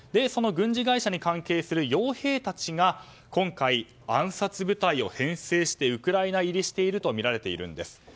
その軍事会社に関係する傭兵たちが今回、暗殺部隊を編成してウクライナ入りしているとみられているんです。